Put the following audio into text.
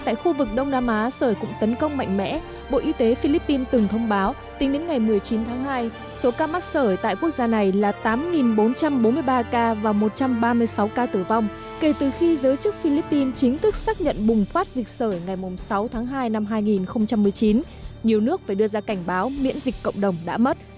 tức xác nhận bùng phát dịch sởi ngày sáu tháng hai năm hai nghìn một mươi chín nhiều nước phải đưa ra cảnh báo miễn dịch cộng đồng đã mất